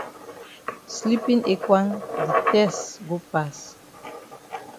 Sleepin ekwang di tess go pass.